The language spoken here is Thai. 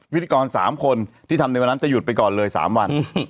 พิธีกร๓คนที่ทำในวันนั้นจะหยุดไปก่อนเลย๓วัน